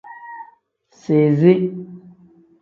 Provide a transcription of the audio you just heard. Sizi.